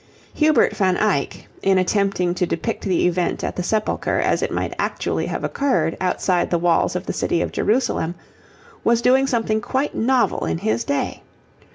Hubert van Eyck, in attempting to depict the event at the Sepulchre as it might actually have occurred outside the walls of the City of Jerusalem, was doing something quite novel in his day.